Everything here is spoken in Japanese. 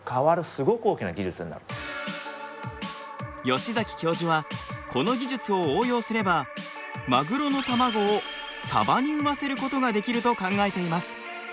吉崎教授はこの技術を応用すればマグロの卵をサバに産ませることができると考えています。